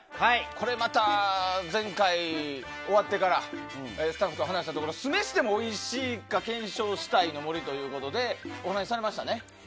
これはまた、前回終わってからスタッフと話したところ酢飯でもおいしいのか検証するということでお話しされましたね。